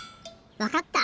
わかった！